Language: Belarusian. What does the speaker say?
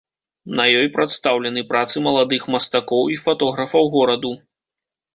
На ёй прадстаўлены працы маладых мастакоў і фатографаў гораду.